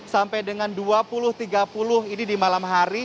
sampai dengan dua puluh tiga puluh ini di malam hari